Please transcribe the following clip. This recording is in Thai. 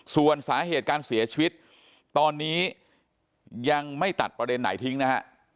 ส่วนสาเหตุการเสียชีวิตตอนนี้ยังไม่ตัดประเด็นไหนทิ้งนะฮะ